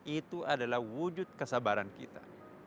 itu adalah wujud kesabaran kita